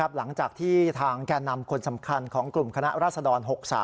หลังจากที่ทางแก่นำคนสำคัญของกลุ่มคณะราษฎร๖๓